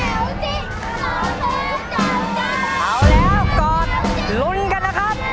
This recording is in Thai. เอาแล้วกอดลุ้นกันนะครับ